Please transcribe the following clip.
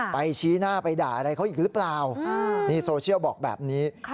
ชี้หน้าไปด่าอะไรเขาอีกหรือเปล่านี่โซเชียลบอกแบบนี้